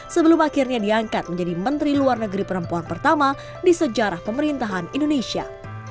sebelum akhirnya diangkat menjadi menteri luar negeri perempuan pertama di sejarah pemerintahan indonesia